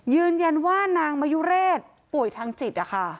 ยืนยันว่านางมายุเรศป่วยทางจิต